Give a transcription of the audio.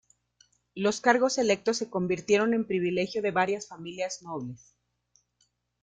Los cargos electos se convirtieron en privilegio de varias familias nobles.